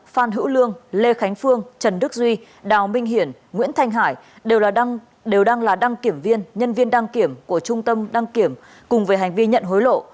phan hữu lương lê khánh phương trần đức duy đào minh hiển nguyễn thanh hải đều đang là đăng kiểm viên nhân viên đăng kiểm của trung tâm đăng kiểm cùng về hành vi nhận hối lộ